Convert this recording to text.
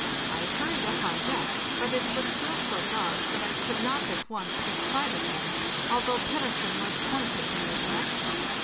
I hurried up on deck, but it was still so dark that I could not at once get sight of them, 676 APPENDIX although Pettersen was pointing in their direction.